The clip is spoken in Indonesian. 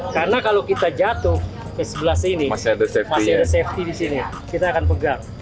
karena kalau kita jatuh ke sebelah sini masih ada safety di sini kita akan pegang